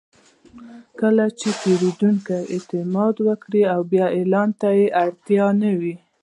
کله چې پیرودونکی اعتماد وکړي، بیا اعلان ته اړتیا نه وي.